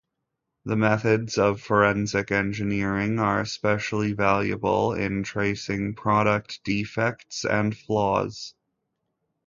The methods of forensic engineering are especially valuable in tracing product defects and flaws.